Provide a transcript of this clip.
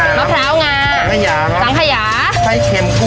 มะพร้าวงามะพร้าวงาสังขยาครับสังขยาไส้เค็มกุ้งครับ